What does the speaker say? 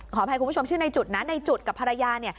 ขออภัยคุณผู้ชมชื่อนายจุดนะนายจุดกับภรรยา